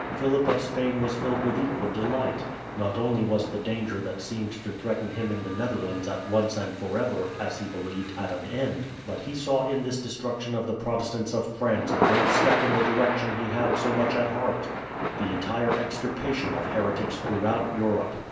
Philip of Spain was filled with equal delight. Not only was the danger that seemed to threaten him in the Netherlands at once and forever, as he believed, at an end, but he saw in this destruction of the Protestants of France a great step in the direction he had so much at heart the entire extirpation of heretics throughout Europe.